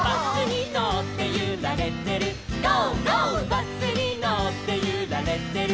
「バスにのってゆられてる」